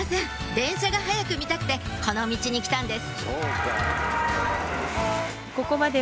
電車が早く見たくてこの道に来たんです